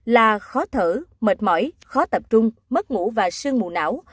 là khó thở mệt mỏi khó tập trung mất ngủ và sương mù não